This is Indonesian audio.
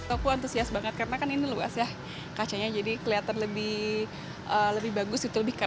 aku antusias banget karena kan ini luas ya kacanya jadi kelihatan lebih lebih bagus gitu lebih